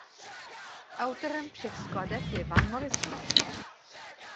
Autorem všech skladeb je Van Morrison.